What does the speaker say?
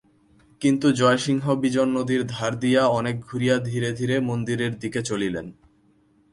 কিন্তু জয়সিংহ বিজন নদীর ধার দিয়া অনেক ঘুরিয়া ধীরে ধীরে মন্দিরের দিকে চলিলেন।